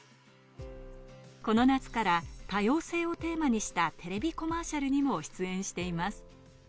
この夏から多様性をテーマにしたテレビコマーシャルにも出演しています。